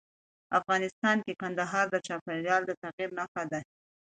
افغانستان کې کندهار د چاپېریال د تغیر نښه ده.